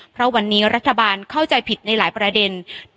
เพราะวันนี้รัฐบาลเข้าใจผิดในหลายประเด็น